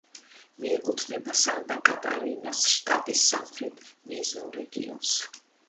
მიეკუთვნება სანტა-კატარინას შტატის სამხრეთ მეზორეგიონს.